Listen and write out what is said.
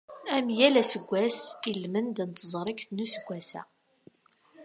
Am yal aseggas, ilmend n teẓrigt n useggas-a.